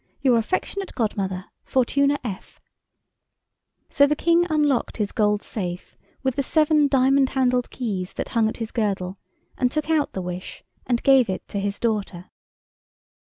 "Your affectionate godmother, "FORTUNA F." So the King unlocked his gold safe with the seven diamond handled keys that hung at his girdle, and took out the wish and gave it to his daughter.